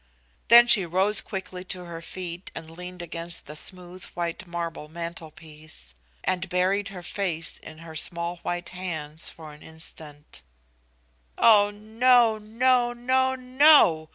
Then she rose quickly to her feet and leaned against the smooth white marble mantelpiece, and buried her face in her small white hands for an instant. "Oh no, no, no, no!"